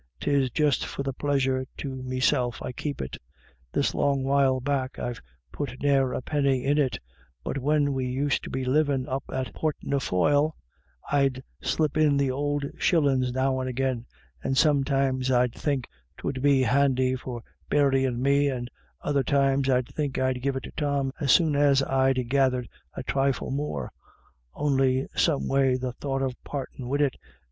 'Tis just for a pleasure to meself I keep it. This long while back I've put ne'er a penny in it, but when we used to be livin* up at Portnafoyle, I'd slip in the odd shillins now and agin, and sometimes I'd think 'twould be handy for buryin' me, and other times I'd think I'd give it to Tom as soon as I'd gathered a trifle more, on'y some way the thought of partin' wid it 300 IRISH IDYLLS.